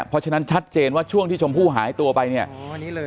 เพราะฉะนั้นชัดเจนว่าช่วงที่ชมพู่หายตัวไปเนี่ย